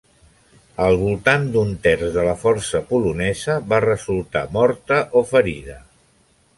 Al voltant d'un terç de la força polonesa va resultar morta o ferida.